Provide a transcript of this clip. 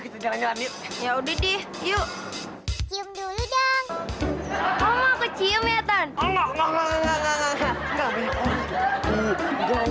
kita nyanyi ya udah di yuk yuk dulu dong kamu aku cium ya ton enggak enggak enggak enggak enggak